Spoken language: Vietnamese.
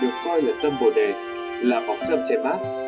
lá bồ đề được coi là tâm bồ đề là bọc dâm chảy mát